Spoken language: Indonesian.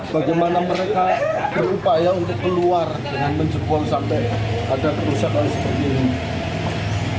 bagaimana mereka berupaya untuk keluar dengan menjebol sampai ada kerusakan seperti ini